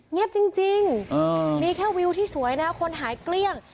เงียบจริงนี่แค่วิวที่สวยนะครับคนหายเกลี้ยง